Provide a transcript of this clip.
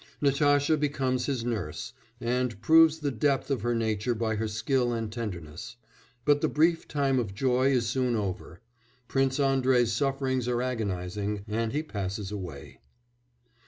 Natasha becomes his nurse, and proves the depth of her nature by her skill and tenderness. But the brief time of joy is soon over; Prince Andrei's sufferings are agonising, and he passes away.